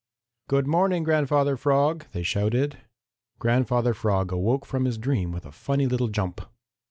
"Good morning, Grandfather Frog!" they shouted. Grandfather Frog awoke from his dream with a funny little jump.